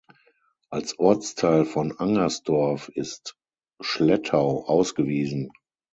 Als Ortsteil von Angersdorf ist Schlettau ausgewiesen.